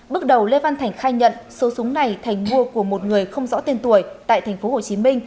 bước đầu lê văn thành khai nhận số súng này thành mua của một người không rõ tên tuổi tại tp hcm